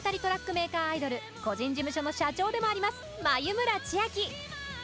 メーカーアイドル個人事務所の社長でもあります眉村ちあき。